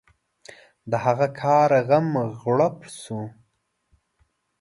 د هغه کار غم غړپ شو.